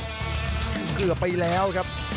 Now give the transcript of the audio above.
คือเกือบไปแล้วครับ